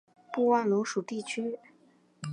布万龙属地区。